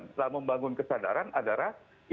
setelah membangun kesadaran adalah